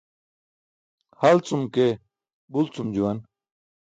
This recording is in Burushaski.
Halcum ke bulcum juwan.